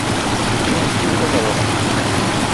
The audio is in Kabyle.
Ǧǧiɣ-tent ad ruḥent.